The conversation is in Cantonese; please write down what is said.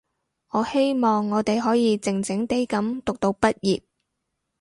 你希望我哋可以靜靜地噉讀到畢業